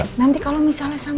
eh nanti kalau misalnya sampai